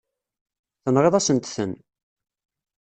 Tenɣiḍ-asent-ten.